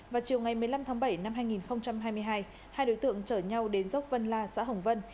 vào chiều ngày một mươi năm tháng bảy năm hai nghìn hai mươi hai hai đối tượng chở nhau đến dốc vân la xã hồng vân